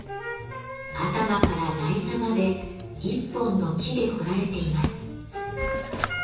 頭から台座まで１本の木で彫られています。